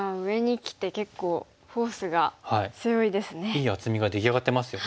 いい厚みが出来上がってますよね。